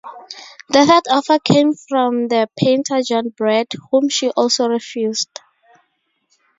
The third offer came from the painter John Brett, whom she also refused.